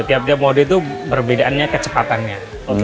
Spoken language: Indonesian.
tiap tiap mode itu perbedaannya kecepatannya